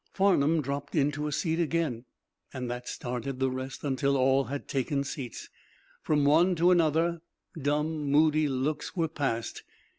Farnum dropped into a seat again, and that started the rest, until all had taken seats. From one to another, dumb, moody looks were passed.